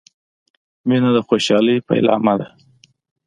• مینه د خوشحالۍ پیلامه ده.